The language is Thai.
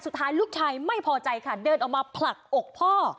สุดท้ายลูกชายไม่พอใจค่ะเดินออกมาผลักอกพ่อ